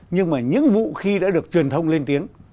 nhưng mà những vụ khi đã được truyền thông lên tiếng